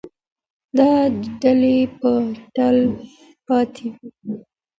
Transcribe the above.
دا ډالۍ به تل پاتې وي.